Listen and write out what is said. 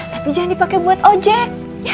tapi jangan dipakai buat ojek